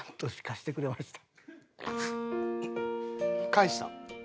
返したん？